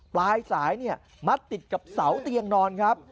ปลายสายมัดติดกับเสาเตียงนอนครับ